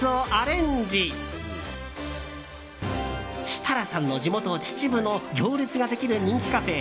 設楽さんの地元・秩父の行列ができる人気カフェ